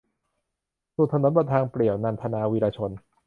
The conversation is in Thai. สุดถนนบนทางเปลี่ยว - นันทนา วีระชน